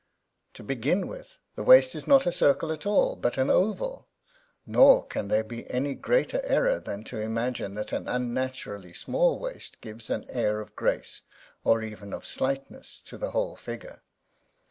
To begin with, the waist is not a circle at all, but an oval; nor can there be any greater error than to imagine that an unnaturally small waist gives an air of grace, or even of slightness, to the whole figure.